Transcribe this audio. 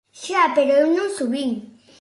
Xa, pero eu non subín.